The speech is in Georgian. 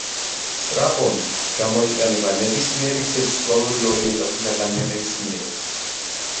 სტრაპონი გამოიყენება ნებისმიერი სექსუალური ორიენტაციის ადამიანების მიერ.